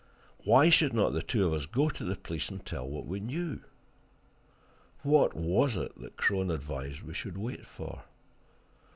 Why should not the two of us go to the police and tell what we knew? What was it that Crone advised we should wait for?